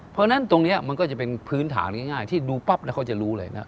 เพราะฉะนั้นตรงนี้มันก็จะเป็นพื้นฐานง่ายที่ดูปั๊บแล้วเขาจะรู้เลยนะ